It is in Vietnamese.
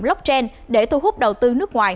blockchain để thu hút đầu tư nước ngoài